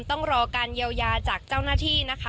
ต้องรอการเยียวยาจากเจ้าหน้าที่นะคะ